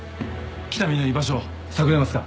北見の居場所探れますか？